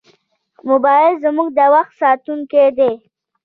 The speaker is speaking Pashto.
موبایل زموږ د وخت ساتونکی دی.